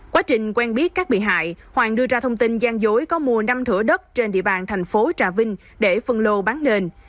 quá trình quen biết các bị hại hoàng đưa ra thông tin gian dối có mua năm thửa đất trên địa bàn thành phố trà vinh để phân lô bán nền